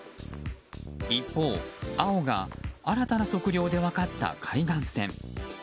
一方、青が新たな測量で分かった海岸線。